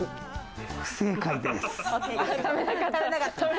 不正解です。